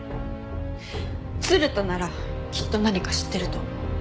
鶴田ならきっと何か知ってると思う。